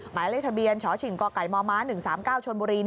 หมายเลขทะเบียนชชิงกมม๑๓๙ชนบุรี